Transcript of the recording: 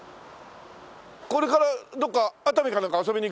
これからどこか熱海かなんか遊びに行くの？